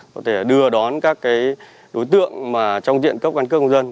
và đưa đón các đối tượng trong tiện cấp căn cước công dân